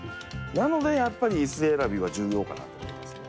なのでやっぱりイス選びは重要かなと思います。